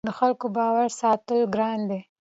د خلکو باور ساتل ګران دي